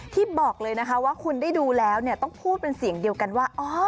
บอกเลยนะคะว่าคุณได้ดูแล้วต้องพูดเป็นเสียงเดียวกันว่า